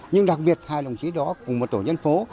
nhưng đặc biệt hai đồng chí đó cùng một tổ dân phố